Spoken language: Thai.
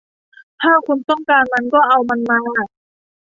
ถ้าคุณต้องการมันก็เอามันมา